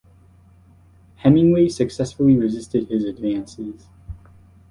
Hemingway successfully resisted his advances.